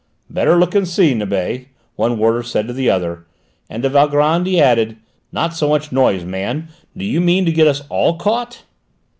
"Better look and see, Nibet," one warder said to the other, and to Valgrand he added: "Not so much noise, man! Do you mean to get us all caught?"